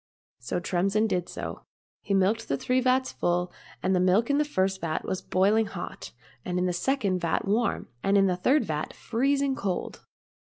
So Tremsin did so. He milked the three vats full, and the milk in the first vat was boiling hot, and in the second vat warm, and in the third vat freezing cold.